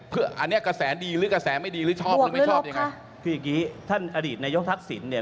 คืออย่างนี้ท่านอดีตนายกทักศิลป์